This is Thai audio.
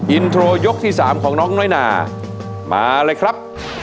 อินโทรยกที่๓ของน้องน้อยนามาเลยครับ